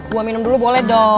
buah minum dulu boleh dong